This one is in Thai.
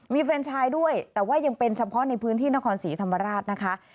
มีเฟรนชายด้วยแต่ว่ายังเป็นเฉพาะในพื้นที่นครศรีธรรมราชนะคะ